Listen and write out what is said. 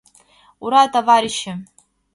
Ура, товарищи!